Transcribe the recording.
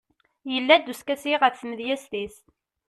yella-d uskasi ɣef tmedyazt-is